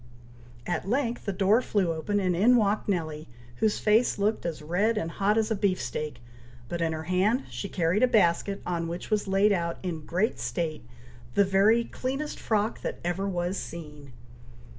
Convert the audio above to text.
At length the door flew open, and in walked Nelly, whose face looked as red and hot as a beefsteak; but in her hand she carried a basket, on which was laid out, in great state, the very cleanest frock that ever was seen!